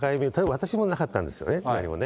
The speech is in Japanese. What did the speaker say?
私もなかったんですよね、何もね。